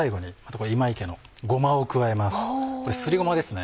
これすりごまですね。